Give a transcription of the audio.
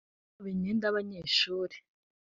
yaba imyenda y’abanyeshuri